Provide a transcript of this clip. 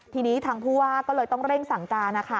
ทีนี้ทางผู้ว่าก็เลยต้องเร่งสั่งการนะคะ